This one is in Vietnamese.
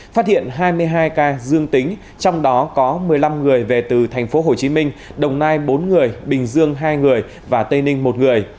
phát hiện hai mươi hai ca dương tính trong đó có một mươi năm người về từ tp hcm đồng nai bốn người bình dương hai người và tây ninh một người